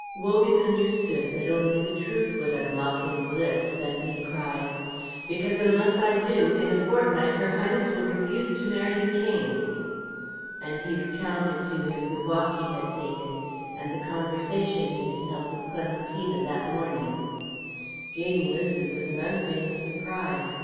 Wogan understood that only the truth would unlock his lips, and he cried, "Because unless I do, in a fortnight her Highness will refuse to marry the King." And he recounted to him the walk he had taken and the conversation he had held with Clementina that morning. Gaydon listened with an unfeigned surprise.